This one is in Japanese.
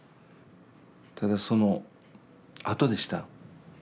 ただそのあとでした。